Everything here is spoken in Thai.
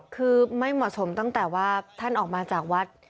คือไม่เหมาะสมตั้งแต่ว่าท่านออกมาจากวัด